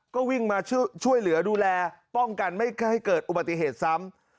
ก็วิ่งมาช่วยเหลือดูแลป้องกันไม่ให้เกิดอุบัติเหตุซ้ำ